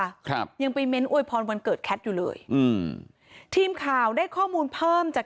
ครับยังไปเม้นอวยพรวันเกิดแคทอยู่เลยอืมทีมข่าวได้ข้อมูลเพิ่มจาก